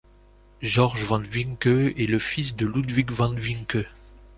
George von Vincke est le fils de Ludwig von Vincke.